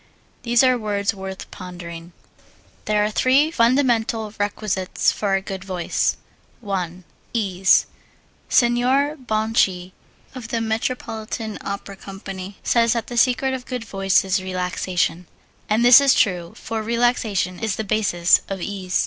These are words worth pondering. There are three fundamental requisites for a good voice: 1. Ease Signor Bonci of the Metropolitan Opera Company says that the secret of good voice is relaxation; and this is true, for relaxation is the basis of ease.